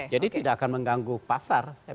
jadi tidak akan mengganggu pasar